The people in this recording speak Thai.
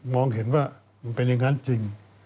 เห็นว่ามันเป็นอย่างนั้นจริง